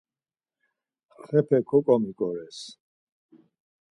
Xepe koǩomiǩores.